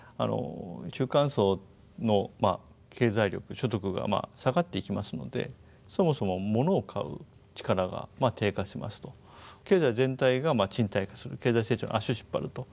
中間層の経済力所得が下がっていきますのでそもそもものを買う力が低下しますと経済全体が沈滞化する経済成長の足を引っ張ると。